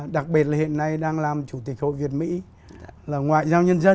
đặc biệt là hiện nay đang làm chủ tịch hội việt mỹ là ngoại giao nhân dân